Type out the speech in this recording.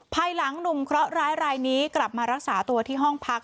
ภายหลังหนุ่มเคราะหร้ายรายนี้กลับมารักษาตัวที่ห้องพัก